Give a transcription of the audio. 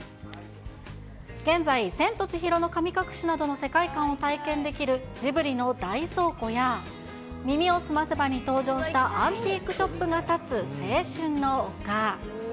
現在、千と千尋の神隠しなどの世界観を体験できるジブリの大倉庫や、耳をすませばに登場したアンティークショップが建つ青春の丘。